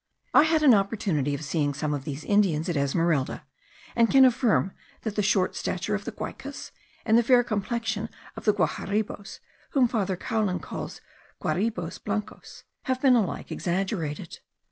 I had an opportunity of seeing some of these Indians at Esmeralda, and can affirm that the short stature of the Guaicas, and the fair complexion of the Guaharibos, whom Father Caulin calls Guaribos blancos, have been alike exaggerated.